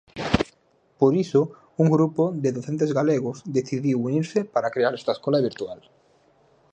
Por iso un grupo de docentes galegos decidiu unirse para crear esta escola virtual.